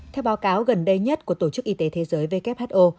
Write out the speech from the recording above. theo báo cáo gần đây nhất của tổ chức y tế thế giới who